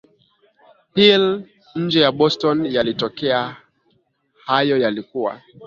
Hill nje ya Boston yalitokea Hayo yalikuwa